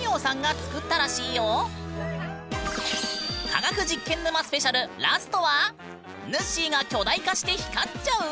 科学実験沼スペシャルラストはぬっしーが巨大化して光っちゃう？